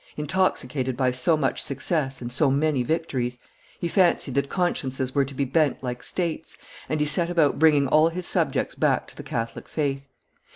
Intoxicated by so much success and so many victories, he fancied that consciences were to be bent like states, and he set about bringing all his subjects back to the Catholic faith.